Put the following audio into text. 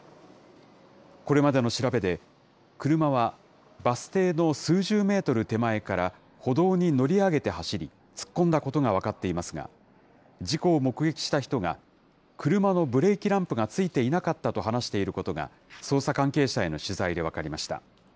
これまでの調べで、車はバス停の数十メートル手前から歩道に乗り上げて走り、突っ込んだことが分かっていますが、事故を目撃した人が車のブレーキランプがついていなかったと話していることが、捜査関係者への取材で分かりました。